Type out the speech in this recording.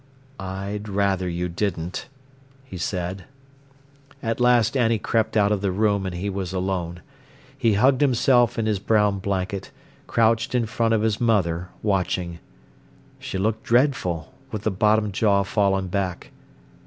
"I'd rather you didn't," he said. At last Annie crept out of the room, and he was alone. He hugged himself in his brown blanket, crouched in front of his mother, watching. She looked dreadful, with the bottom jaw fallen back.